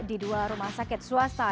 di dua rumah sakit swasta